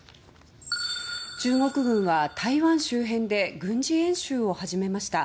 中国軍は台湾周辺で軍事演習を始めました。